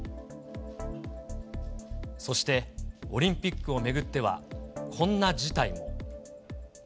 そしてオリンピックを巡っては、こんな事態も。